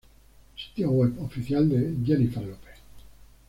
Sitio web oficial de Jennifer Lopez